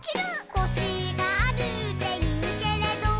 「コシがあるっていうけれど」